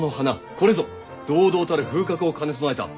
これぞ堂々たる風格を兼ね備えた王者であると。